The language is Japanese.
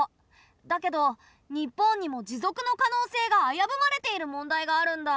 だけど日本にも持続の可能性があやぶまれている問題があるんだ！